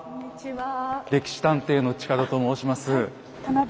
「歴史探偵」の近田と申します。